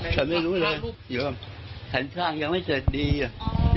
ฉันไม่รู้เลยฉันช่างยังไม่เสร็จดีอ่ะ